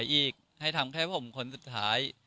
ประขายอีกให้ทำแค่ผมคนสุดท้าย